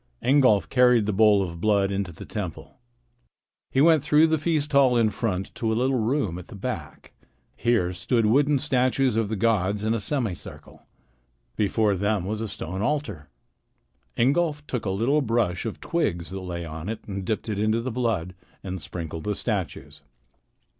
Ingolf carried the bowl of blood into the temple. He went through the feast hall in front to a little room at the back. Here stood wooden statues of the gods in a semicircle. Before them was a stone altar. Ingolf took a little brush of twigs that lay on it and dipped it into the blood and sprinkled the statues.